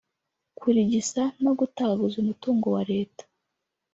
kurigisa no gutagaguza umutungo wa Leta